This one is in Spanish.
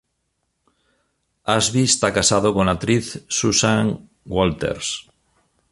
Ashby está casado con la actriz Susan Walters.